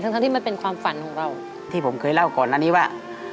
ทั้งที่มันเป็นความฝันของเราที่ผมเคยเล่าก่อนอันนี้ว่า